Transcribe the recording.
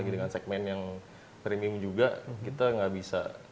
dengan segmen yang premium juga kita nggak bisa